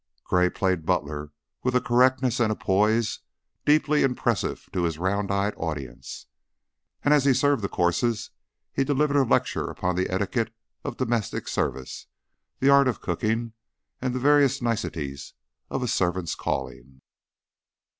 Gray played butler with a correctness and a poise deeply impressive to his round eyed audience, and as he served the courses he delivered a lecture upon the etiquette of domestic service, the art of cooking, and the various niceties of a servant's calling.